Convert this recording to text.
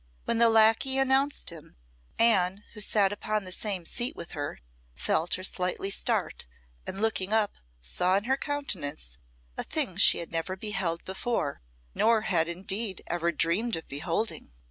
When the lacquey announced him, Anne, who sat upon the same seat with her, felt her slightly start, and looking up, saw in her countenance a thing she had never beheld before, nor had indeed ever dreamed of beholding.